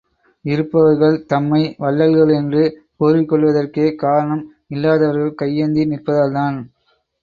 இருப்பவர்கள் தம்மை வள்ளல்கள் என்று கூறிக்கொள்வதற்கே காரணம் இல்லாதவர்கள் கையேந்தி நிற்பதால்தான்.